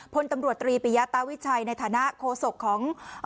พลตำรวจตรีปิยาตาวิชัยในฐานะโคศกของ